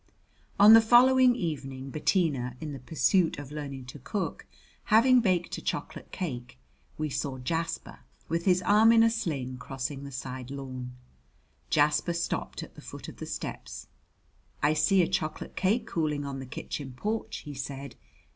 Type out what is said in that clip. On the following evening Bettina, in the pursuit of learning to cook, having baked a chocolate cake we saw Jasper, with his arm in a sling, crossing the side lawn. Jasper stopped at the foot of the steps. "I see a chocolate cake cooling on the kitchen porch," he said.